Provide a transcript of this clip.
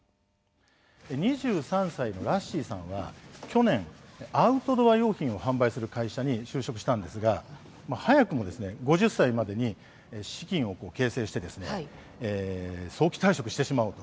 ２３歳の、らっしーさんは去年アウトドア用品を販売する会社に就職したんですが早くも５０歳までに資金を形成して早期退職してしまおうと。